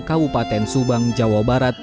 kabupaten subang jawa barat